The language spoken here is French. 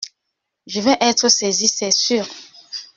Je vais être saisie, c'est sûr.